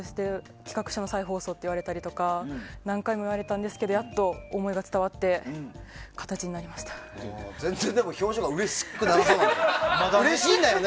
企画書の再放送って言われたりとか何回も言われたんですがやっと思いが伝わってでも全然、表情がうれしくなさそうだね。